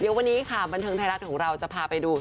อย่างวันนี้บันทึงไทยรัฐของเราจะพาไปดู